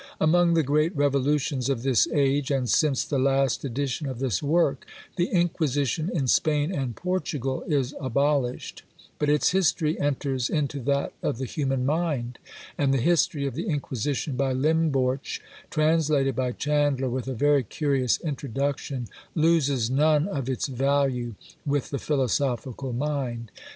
Among the great revolutions of this age, and since the last edition of this work, the Inquisition in Spain and Portugal is abolished but its history enters into that of the human mind; and the history of the Inquisition by Limborch, translated by Chandler, with a very curious "Introduction," loses none of its value with the philosophical mind.